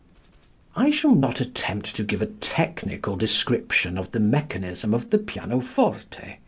I shall not attempt to give a technical description of the mechanism of the pianoforte.